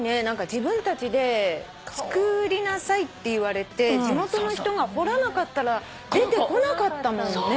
自分たちで造りなさいって言われて地元の人が掘らなかったら出てこなかったもんね。